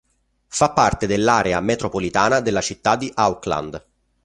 Fa parte dell'area metropolitana della città di Auckland.